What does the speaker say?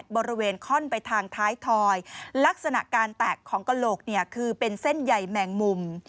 บริเวณข้อนไปทางท้ายถอยลักษณะการแตกของกระโหลกคือเป็นเส้นใหญ่แมงมุม